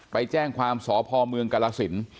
ไปแจ้งความสพมกะละสิน